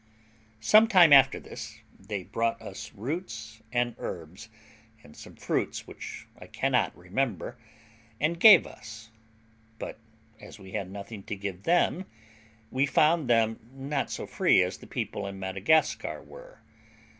Some time after this, they brought us roots and herbs, and some fruits which I cannot remember, and gave us; but as we had nothing to give them, we found them not so free as the people in Madagascar were.